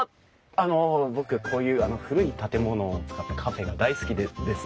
あの僕こういう古い建物を使ったカフェが大好きでですね。